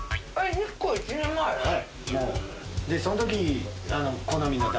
はい。